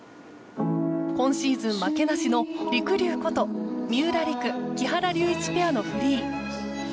今シーズン負けなしのりくりゅうこと三浦璃来、木原龍一ペアのフリー。